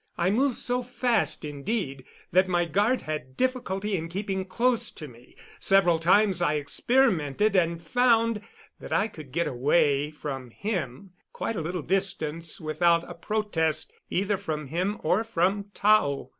I moved so fast, indeed, that my guard had difficulty in keeping close to me. Several times I experimented and found that I could get away from him quite a little distance without a protest, either from him or from Tao.